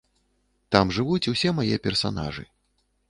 Там жывуць усе мае персанажы.